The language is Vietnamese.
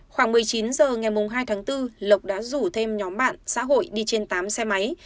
khoảng một mươi chín h ngày hai tháng bốn lộc đã rủ thêm nhóm bạn xã hội đi trên tám xe máy